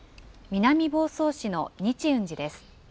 南房総市の日運寺です。